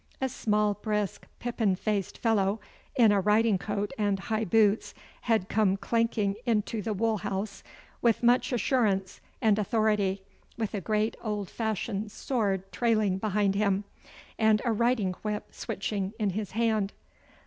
A small, brisk, pippin faced fellow in a riding coat and high boots had come clanking into the wool house with much assurance and authority, with a great old fashioned sword trailing behind him, and a riding whip switching in his hand.